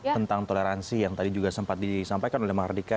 tentang toleransi yang tadi juga sempat disampaikan oleh mahardika